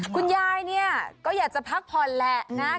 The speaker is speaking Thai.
คุณยายเนี่ยก็อยากจะพักผ่อนแหละนะ